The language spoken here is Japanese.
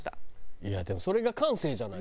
いやでもそれが感性じゃない？